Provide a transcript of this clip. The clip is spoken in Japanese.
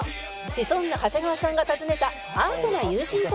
シソンヌ長谷川さんが訪ねたアートな友人とは？